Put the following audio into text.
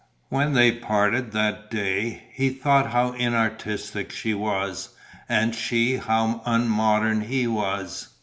When they parted that day, he thought how inartistic she was and she how unmodern he was.